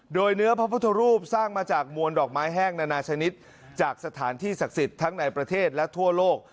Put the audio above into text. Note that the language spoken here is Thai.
โดยเนื้อพระพุทธรูปสร้างมาจากมวลดอกไม้แห้งนานาชนิดจากสถานที่ศักดิ์สิทธิ์ทั้งในประเทศและทั่วโลก